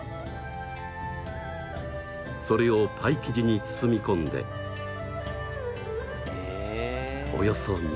それをパイ生地に包み込んでおよそ２０分。